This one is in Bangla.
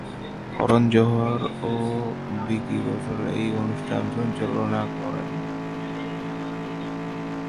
করণ জোহর ও ভিকি কৌশল এই অনুষ্ঠানের সঞ্চালনা করেন।